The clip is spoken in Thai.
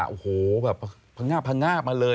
โอ้โหแบบพังงาบมาเลย